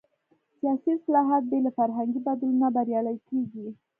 سیاسي اصلاحات بې له فرهنګي بدلون نه بریالي کېږي.